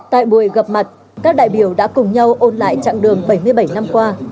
tại buổi gặp mặt các đại biểu đã cùng nhau ôn lại chặng đường bảy mươi bảy năm qua